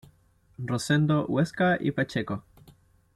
Rosendo Huesca y Pacheco.